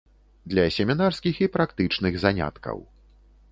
Для семінарскіх і практычных заняткаў.